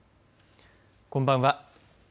こんばんは。